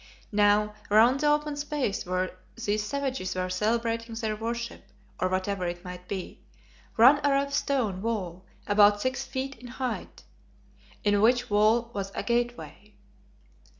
Now round the open space where these savages were celebrating their worship, or whatever it might be, ran a rough stone wall about six feet in height, in which wall was a gateway.